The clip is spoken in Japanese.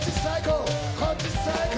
こっち最高。